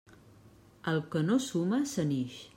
El que no suma, se n'ix.